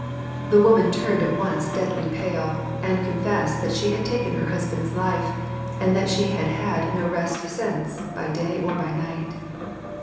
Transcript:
The woman turned at once deadly pale ; and confessed that she had taken her husband's life, and that she had had no rest since by day or by night.